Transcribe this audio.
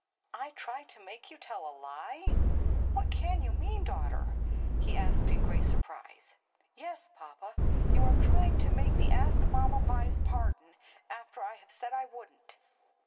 "I try to make you tell a lie! what can you mean, daughter?" he asked in great surprise. "Yes, papa, you are trying to make me ask Mamma Vi's pardon after I have said I wouldn't."